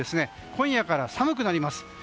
今夜から寒くなります。